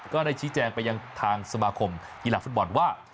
ก็ได้ชี้แจงไปยังทางสมาคมกีฬาฟุตบอลว่า